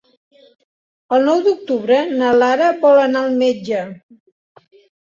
El nou d'octubre na Lara vol anar al metge.